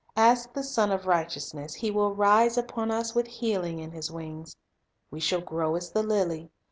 As the Sun of Righteousness, He will arise upon us "with healing in His wings." We shall "grow as the lily."